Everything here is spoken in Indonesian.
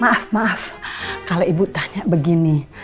maaf maaf kalau ibu tanya begini